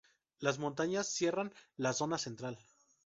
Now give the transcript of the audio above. Las montañas cierran la zona central.